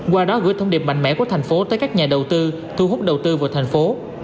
qua đó gửi thông điệp mạnh mẽ của thành phố tới các nhà đầu tư thu hút đầu tư vào thành phố